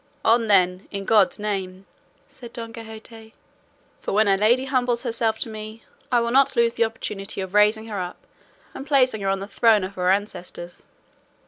"On, then, in God's name," said Don Quixote; "for, when a lady humbles herself to me, I will not lose the opportunity of raising her up and placing her on the throne of her ancestors.